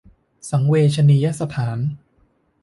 สังเวชนียสถาน